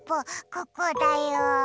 ここだよ。